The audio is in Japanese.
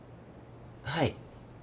はい。